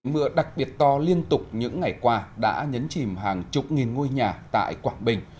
mưa đặc biệt to liên tục những ngày qua đã nhấn chìm hàng chục nghìn ngôi nhà tại quảng bình